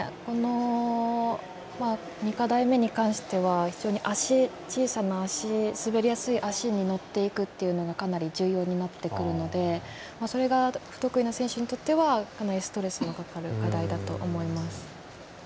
２課題目に関しては非常に小さな足滑りやすい足に乗っていくっていうのがかなり重要になってくるのでそれが、不得意な選手にとってはかなりストレスのかかる課題だと思います。